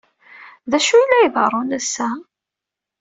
D acu ay la iḍerrun ass-a?